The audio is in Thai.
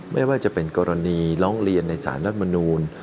ไม่ว่าจะเป็นกรณีร้องเรียนในสารรัฐมนูล